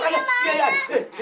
om jin bangun